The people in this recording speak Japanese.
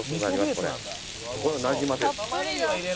ここへなじませる。